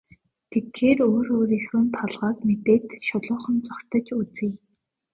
Тэгэхээр өөрөө өөрийнхөө толгойг мэдээд шулуухан зугтаж үзье.